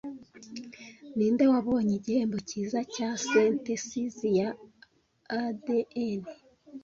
Ninde wabonye igihembo cyiza cya synthesis ya ADN